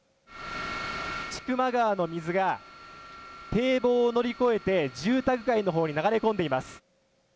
千曲川の水が堤防を乗り越えて住宅街のほうに流れ込んでいます。